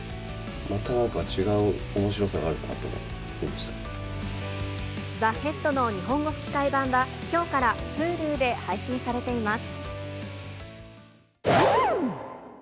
またなんか違うおもしろさがあるＴＨＥＨＥＡＤの日本語吹き替え版は、きょうからＨｕｌｕで配信されています。